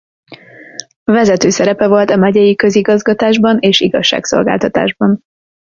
Vezető szerepe volt a megyei közigazgatásban és igazságszolgáltatásban.